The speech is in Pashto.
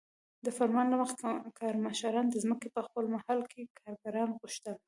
د فرمان له مخې کارمشرانو د ځمکې په خپل محل کې کارګران غوښتل.